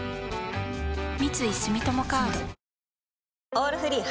「オールフリー」